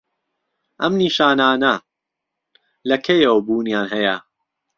ئەم نیشانانه لە کەیەوە بوونیان هەیە؟